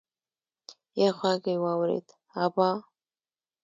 يو غږ يې واورېد: ابا!